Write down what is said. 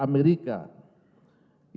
yang setelah dipotong